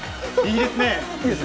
いいですね。